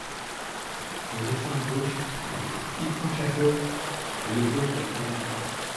Elle descend à gauche, quitte son chapeau et le pose sur le canapé.